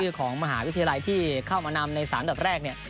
ของมหาวิทยาลัยที่เข้ามานำใน๓อันดับแรกเนี่ย